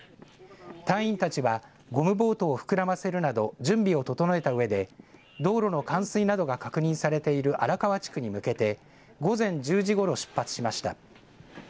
隊員たちはゴムボートを膨らませるなど準備を整えたうえで道路の冠水などが確認されている荒川地区に向けて午前１０時ごろ出発しました。